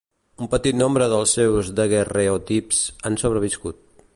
Un petit nombre dels seus daguerreotips han sobreviscut.